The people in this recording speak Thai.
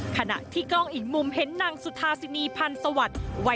ขณะที่กล้องอีกมุมเห็นนางสุธาสินีพันธ์สวัสดิ์